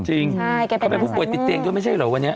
เขาเป็นผู้ป่วยติดเตียงด้วยไม่ใช่เหรอวันนี้